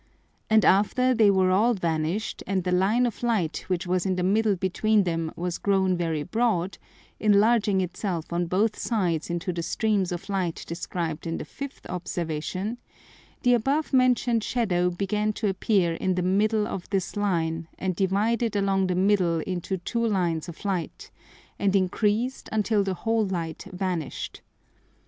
And after they were all vanish'd, and the line of Light which was in the middle between them was grown very broad, enlarging it self on both sides into the streams of Light described in the fifth Observation, the above mention'd Shadow began to appear in the middle of this line, and divide it along the middle into two lines of Light, and increased until the whole Light vanish'd.